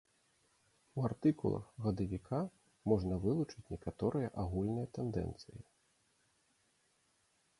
У артыкулах гадавіка можна вылучыць некаторыя агульныя тэндэнцыі.